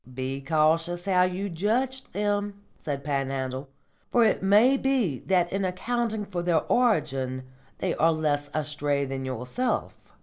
"Be cautious how you judge them," said Panhandle, "for it may be that in accounting for their origin they are less astray than yourself.